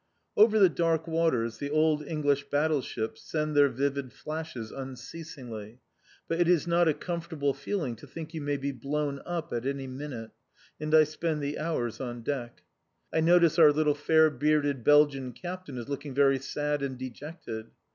Over the dark waters the old English battleships send their vivid flashes unceasingly, but it is not a comfortable feeling to think you may be blown up at any minute, and I spend the hours on deck. I notice our little fair bearded Belgian captain is looking very sad and dejected.